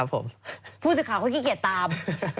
ผู้สื่อข่าวเขาขี้เกียจตาม